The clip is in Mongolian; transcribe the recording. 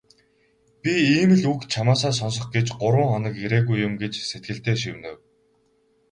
"Би ийм л үг чамаасаа сонсох гэж гурав хоног ирээгүй юм" гэж сэтгэлдээ шивнэв.